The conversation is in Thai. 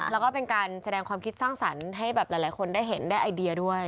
แล้วก็เป็นการแสดงความคิดสร้างสรรค์ให้แบบหลายคนได้เห็นได้ไอเดียด้วย